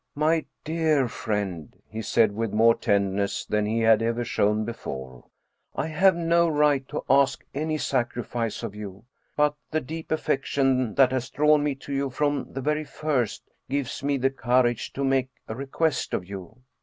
" My dear friend," he said with more tenderness than he had ever shown before, " I have no right to ask any sacrifice of you. But the deep affection that has drawn me to you from the very first gives me the courage to make a request of you.